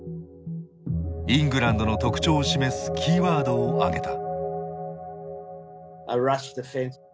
イングランドの特徴を示すキーワードを挙げた。